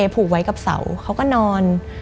ผูกไว้กับเสาเขาก็นอน